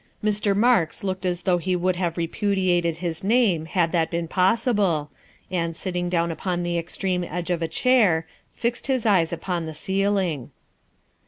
'' Mr. Marks looked as though he would have repudiated his name had that been possible, and, sitting down upon the extreme edge of a chair, fixed his eyes upon the ceiling.